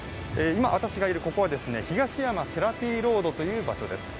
今、私がいるここは東山セラピーロードという場所です。